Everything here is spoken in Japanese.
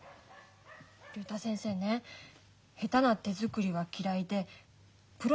竜太先生ね下手な手作りは嫌いでプロの味が好きなんだって。